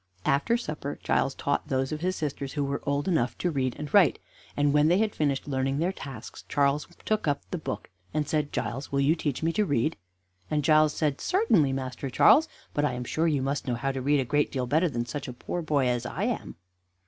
After supper Giles taught those of his sisters who were old enough to read and write, and when they had finished learning their tasks Charles took up the book, and said: "Giles, will you teach me to read?" and Giles said: "Certainly, Master Charles, but I am sure you must know how to read a great deal better than such a poor boy as I am."